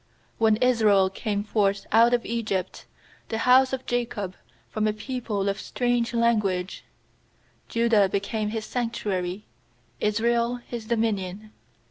When Israel came forth out of Egypt, The house of Jacob from a people of strange language; 2Judah became His sanctuary, Israel His dominion.